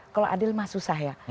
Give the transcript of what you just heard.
kalau adil mah susah ya